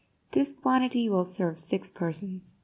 This quantity will serve six persons.